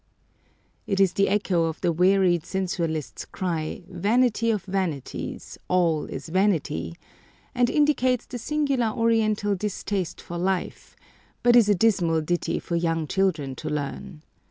It is the echo of the wearied sensualist's cry, "Vanity of vanities, all is vanity," and indicates the singular Oriental distaste for life, but is a dismal ditty for young children to learn.